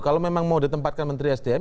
kalau memang mau ditempatkan menteri sdm